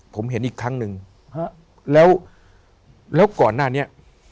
ผมเห็นอีกครั้งหนึ่งฮะแล้วแล้วก่อนหน้านี้